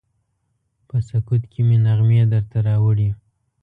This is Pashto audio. په سکوت کې مې نغمې درته راوړي